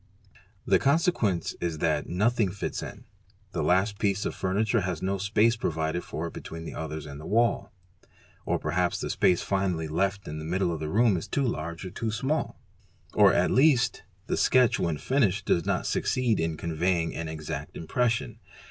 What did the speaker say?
The con sequence is that nothing fits in; the last piece of furniture has no space provided for it between the others and the wall; or perhaps the space finally left in the middle of the room is too large or too small; or at les st the sketch when finished ''does not succeed in conveying an exact impres sion".